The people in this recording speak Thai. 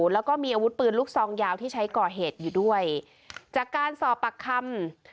แล้วก็มีอาวุธปืนลูกซองยาวที่ใช้ก่อเหตุอยู่ด้วยจากการสอบปากคำ